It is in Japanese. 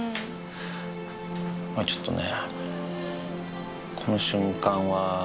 まぁちょっとね。